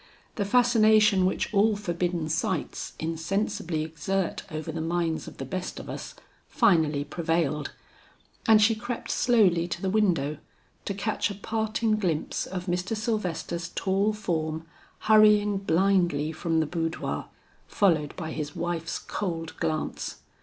The fascination which all forbidden sights insensibly exert over the minds of the best of us, finally prevailed, and she slowly crept to the window to catch a parting glimpse of Mr. Sylvester's tall form hurrying blindly from the boudoir followed by his wife's cold glance.